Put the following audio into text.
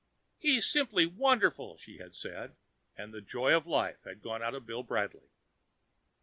"He's simply wonderful," she had said. And the joy of life had gone out of Bill Bradley.